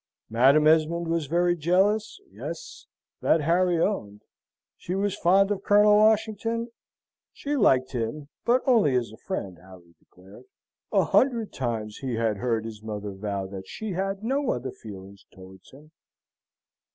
Madam Esmond was very jealous? Yes, that Harry owned. She was fond of Colonel Washington? She liked him, but only as a friend, Harry declared. A hundred times he had heard his mother vow that she had no other feeling towards him.